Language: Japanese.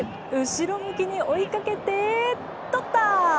後ろ向きに追いかけて、とった！